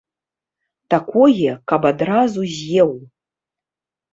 Такое, каб адразу з'еў.